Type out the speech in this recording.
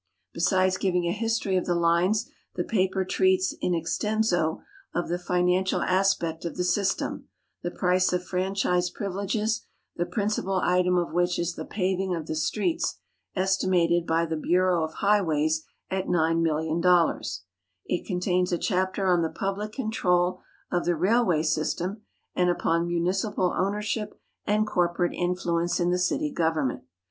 Besiiles giving a history of the lines, the paper treats in extcnso of the financial aspect of the system, the price of franchi.'^e privileges, the principal item of which is the paving of the streets, estimated by the Bureau of Highways at $9,000,000. It contains a chai)ter on the i)ublic control of the railway system and upon municipal ownei ship and corporate influence in the city government.